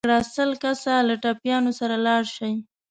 چيغه يې کړه! سل کسه له ټپيانو سره لاړ شئ.